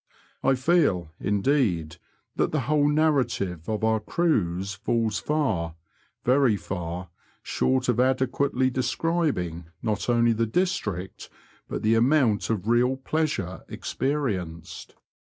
I feel, indeed, that the whole narrative of our cruise falls fsir, very far, short of adequately describing not only the district, but the amount of real pleasure experienced.